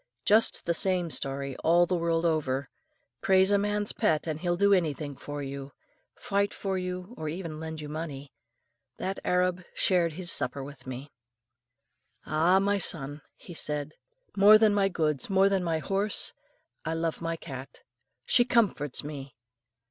Just the same story all the world over, praise a man's pet and he'll do anything for you; fight for you, or even lend you money. That Arab shared his supper with me. "Ah! my son," he said, "more than my goods, more than my horse, I love my cat. She comforts me.